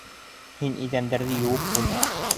Һин иҙәндәрҙе йыуып ҡуй.